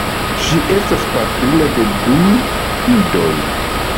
Ŝi estas patrino de du idoj.